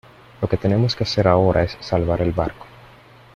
lo que tenemos que hacer ahora es salvar el barco.